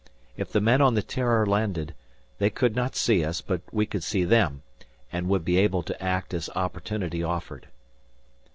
If the men on the "Terror" landed, they could not see us; but we could see them, and would be able to act as opportunity offered.